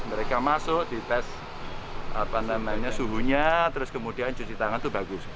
mereka masuk dites suhunya terus kemudian cuci tangan itu bagus